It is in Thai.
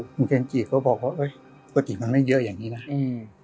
คุณเคนจิก็บอกว่าเอ้ยปกติมันไม่เยอะอย่างงี้นะอืม